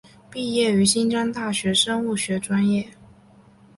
毕业于新疆大学生物学专业。